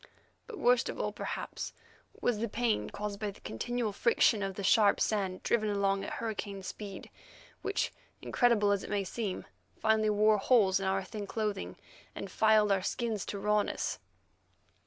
But worst of all perhaps, was the pain caused by the continual friction of the sharp sand driven along at hurricane speed, which, incredible as it may seem, finally wore holes in our thin clothing and filed our skins to rawness.